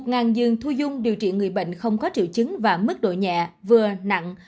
ngàn giường thu dung điều trị người bệnh không có triệu chứng và mức độ nhẹ vừa nặng